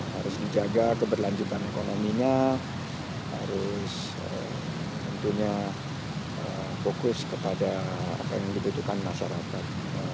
harus dijaga keberlanjutan ekonominya harus tentunya fokus kepada apa yang dibutuhkan masyarakat